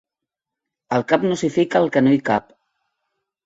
Al cap, no s'hi fica el que no hi cap.